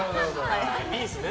いいっすね。